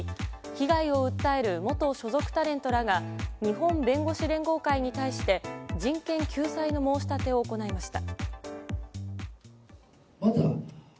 被害を訴える元所属タレントらが日本弁護士連合会に対して人権救済の申し立てを行いました。